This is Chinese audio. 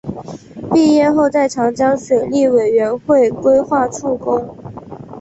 毕业后在长江水利委员会规划处工。